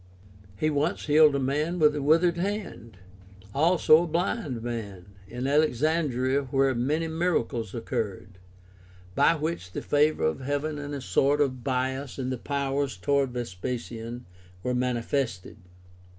He once healed a man with a withered hand, also a blind man, in Alexandria where "many miracles occurred, by which the favor of heaven and a sort of bias in the powers toward Ves pasian were manifested" (Tacitus Hist.